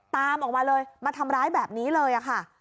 ตามออกมาเลยมาทำร้ายแบบนี้เลยค่ะ